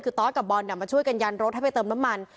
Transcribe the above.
คือตอสกับบอลมาช่วยกันยันรถให้ไปเติมน้ำมัน